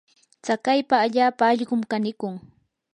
tsakaypa allaapa allqum kanikun.